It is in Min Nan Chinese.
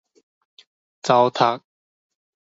蹧躂